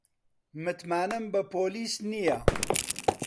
متمانەم بە پۆلیس نییە.